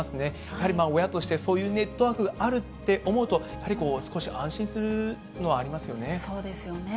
やはり親として、そういうネットワークがあるって思うと、やはり少し安心するのはありますよね。